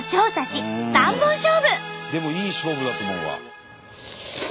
でもいい勝負だと思うわ。